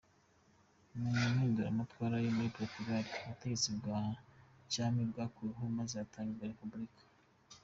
Mu mpinduramatwara zo muri Portugal, ubutegetsi bwa cyami bwakuweho maze hatangizwa Repubulika.